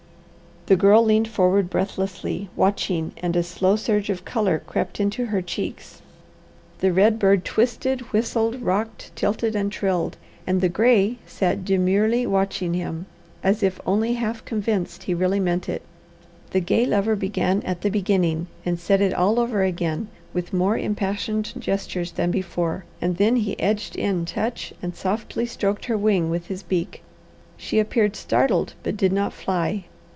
The Girl leaned forward breathlessly watching and a slow surge of colour crept into her cheeks. The red bird twisted, whistled, rocked, tilted, and trilled, and the gray sat demurely watching him, as if only half convinced he really meant it. The gay lover began at the beginning and said it all over again with more impassioned gestures than before, and then he edged in touch and softly stroked her wing with his beak. She appeared startled, but did not fly.